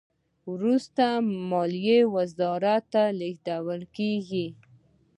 وروسته مالیې وزارت ته لیږل کیږي.